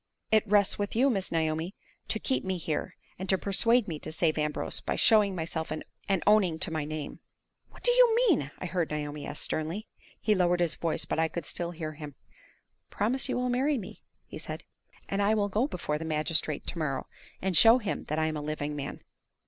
It rests with you, Miss Naomi, to keep me here, and to persuade me to save Ambrose by showing myself and owning to my name." "What do you mean?" I heard Naomi ask, sternly. He lowered his voice; but I could still hear him. "Promise you will marry me," he said, "and I will go before the magistrate to morrow, and show him that I am a living man."